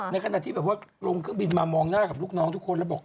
ในขณะที่แบบว่าลงเครื่องบินมามองหน้ากับลูกน้องทุกคนแล้วบอก